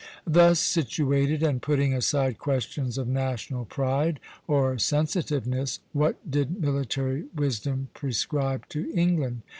Thus situated, and putting aside questions of national pride or sensitiveness, what did military wisdom prescribe to England?